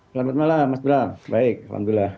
selamat malam mas bram baik alhamdulillah